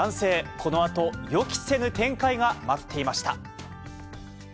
このあと予期せぬ展開が待っていました。